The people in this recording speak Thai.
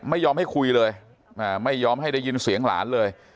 ไม่ยอมให้คุยเลยไม่ยอมให้ได้ยินเสียงหลานเลย